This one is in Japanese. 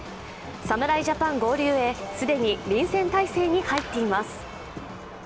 侍ジャパン合流へ、既に臨戦態勢に入っています。